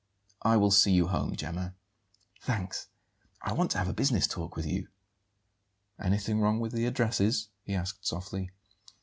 "I will see you home, Gemma." "Thanks; I want to have a business talk with you." "Anything wrong with the addresses?" he asked softly.